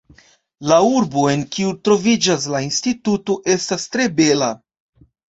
La urbo, en kiu troviĝas la instituto, estas tre bela!